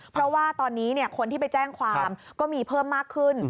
เพราะว่าตอนนี้คนที่ไปแจ้งความก็มีเพิ่มมากขึ้น